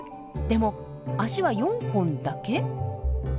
でも足は４本だけ？